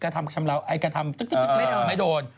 แต่เกษฐรมไม่โดน